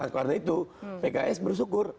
karena itu pks bersyukur